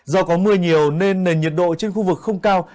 do có mưa nhiều nên nền nhiệt độ trên khu vực không cao